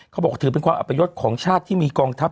เขาบอกถือเป็นความอัพยศของชาติที่มีกองทัพ